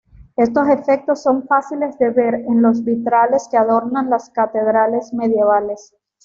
Estos efectos son fáciles de ver en los vitrales que adornan las catedrales medievales.